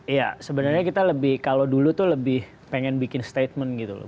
iya sebenarnya kita lebih kalau dulu tuh lebih pengen bikin statement gitu loh